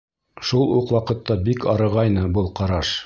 Шул уҡ ваҡытта бик арығайны был ҡараш.